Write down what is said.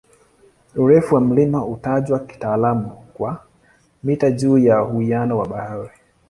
Urefu wa mlima hutajwa kitaalamu kwa "mita juu ya uwiano wa bahari".